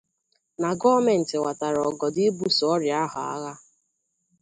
na gọọmenti wàtàrà ọgọdọ ibuso ọrịa ahụ agha